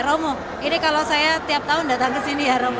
romo ini kalau saya tiap tahun datang ke sini ya romo